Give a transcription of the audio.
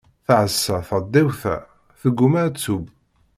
Teɛṣa tɣeddiwt-a, tgumma ad teww.